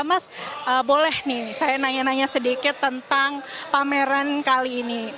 mas boleh nih saya nanya nanya sedikit tentang pameran kali ini